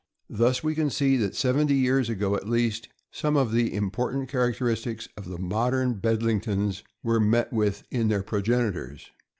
Thus we can see that seventy years ago, at least, some of the im portant characteristics of the modern Bedlingtons were met with in their progenitors.